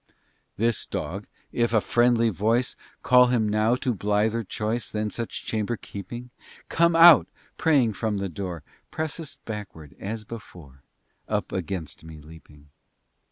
XIII This dog, if a friendly voice Call him now to blither choice Than such chamber keeping, "Come out!" praying from the door, Presseth backward as before, Up against me leaping.